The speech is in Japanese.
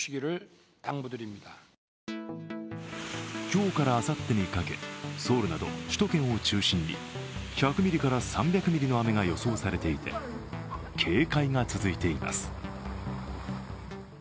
今日からあさってにかけソウルなど首都圏を中心に１００ミリから３００ミリの雨が予想されていて、警戒が続いています。